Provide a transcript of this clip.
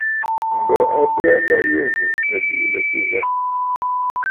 M̀bə a bə aa ma yû ànnù, nɨ̀ liꞌìnə̀ ɨ̀bɨ̂ ghâ.